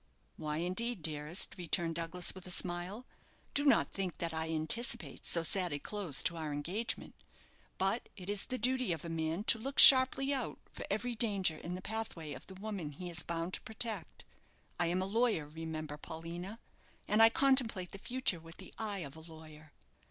"Why, indeed, dearest," returned Douglas, with a smile. "Do not think that I anticipate so sad a close to our engagement. But it is the duty of a man to look sharply out for every danger in the pathway of the woman he is bound to protect. I am a lawyer, remember, Paulina, and I contemplate the future with the eye of a lawyer.